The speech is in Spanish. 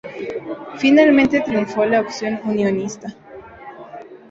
Finalmente triunfó la opción unionista.